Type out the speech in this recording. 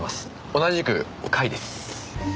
同じく甲斐です。